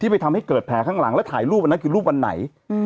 ไปทำให้เกิดแผลข้างหลังแล้วถ่ายรูปอันนั้นคือรูปวันไหน